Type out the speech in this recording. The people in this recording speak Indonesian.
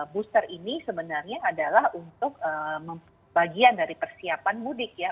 booster ini sebenarnya adalah untuk bagian dari persiapan mudik ya